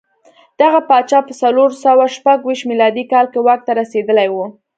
دغه پاچا په څلور سوه شپږ ویشت میلادي کال کې واک ته رسېدلی و